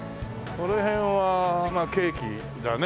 この辺はまあケーキだね。